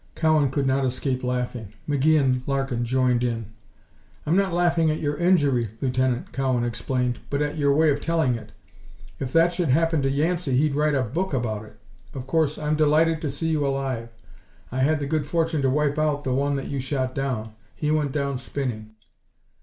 Cowan could not escape laughing. McGee and Larkin joined in. "I'm not laughing at your injury, Lieutenant," Cowan explained, "but at your way of telling it. If that should happen to Yancey he'd write a book about it. Of course, I'm delighted to see you alive. I had the good fortune to wipe out the one that shot you down. He went down spinning."